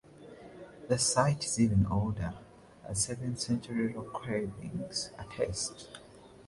The site is even older, as seventh century rock carvings attest.